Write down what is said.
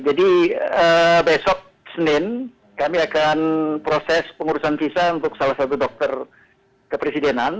jadi besok senin kami akan proses pengurusan visa untuk salah satu dokter kepresidenan